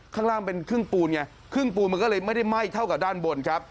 ข้างล่างเป็นครึ่งปูนไงครึ่งปูนมันก็เลยไม่ได้ไหม้เท่ากับด้านบนครับ